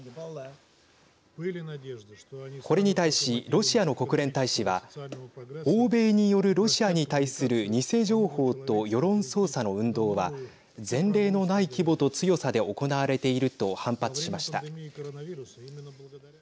これに対しロシアの国連大使は欧米によるロシアに対する偽情報と世論操作の運動は前例のない規模と強さで行われていると反発しました。